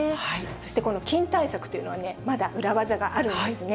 そしてこの菌対策というのはね、まだ裏技があるんですね。